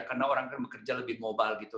karena orang akan bekerja lebih mobile gitu